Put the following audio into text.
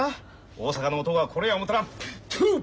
大阪の男はこれや思うたらとう！